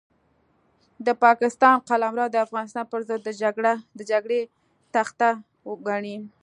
د پاکستان قلمرو د افغانستان پرضد د جګړې تخته وګڼي.